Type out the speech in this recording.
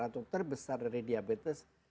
atau terbesar dari diabetes